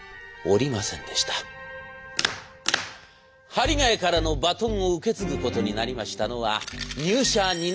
針ヶ谷からのバトンを受け継ぐことになりましたのは入社２年目の女性社員。